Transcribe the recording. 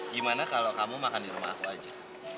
gimana kalau kamu makan di rumah aku aja